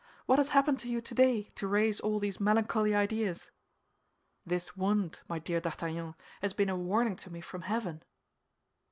What has happened to you today, to raise all these melancholy ideas?" "This wound, my dear D'Artagnan, has been a warning to me from heaven."